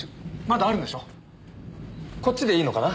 こっちでいいのかな？